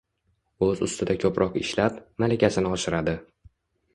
o‘z ustida ko‘proq ishlab, malakasini oshiradi.